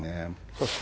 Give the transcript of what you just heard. そして。